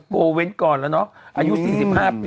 โกเว้นต์ก่อนแล้วเนาะอายุ๔๕ปัญหาว่ะ